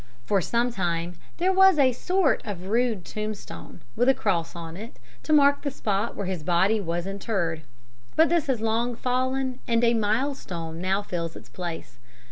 "For some time there was a sort of rude tombstone, with a cross on it, to mark the spot where his body was interred, but this has long fallen, and a milestone now fills its place.